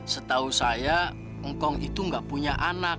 setahu saya ngkong itu nggak punya anak